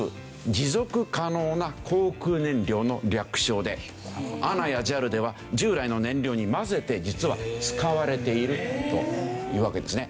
「持続可能な航空燃料」の略称でＡＮＡやＪＡＬでは従来の燃料に混ぜて実は使われているというわけですね。